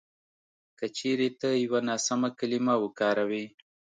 که چېرې ته یوه ناسمه کلیمه وکاروې